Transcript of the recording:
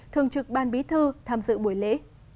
thường trực ban bí thư tham dự buổi lễ